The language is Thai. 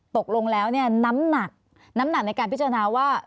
ตกลงแล้วน้ำหนักน้ำหนักในการพิจารณาว่า